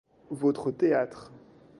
Votre théâtre.